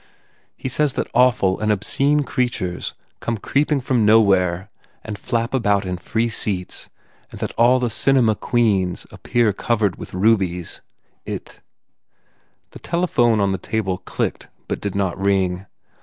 He says that awful and obscene creatures come creeping from nowhere and flap about in free seats and that all the cinema queens appear covered with rubies. It " The telephone on the table clicked but did not ring.